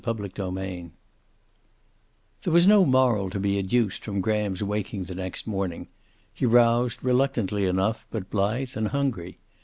CHAPTER III There was no moral to be adduced from Graham's waking the next morning. He roused, reluctantly enough, but blithe and hungry.